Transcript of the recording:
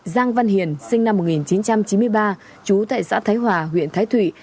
giang văn hiền sinh năm một nghìn chín trăm chín mươi ba trú tại xã thái hòa huyện thái thụy